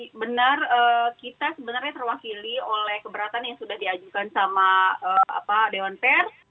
jadi benar kita sebenarnya terwakili oleh keberatan yang sudah diajukan sama dewan pers